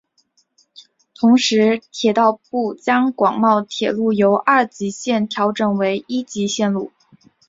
同时铁道部将广茂铁路由二级线路调整为一级线路。